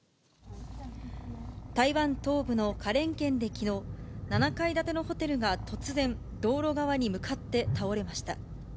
台湾東部の花蓮県できのう、７階建てのホテルが突然、道路側に向かって倒れました。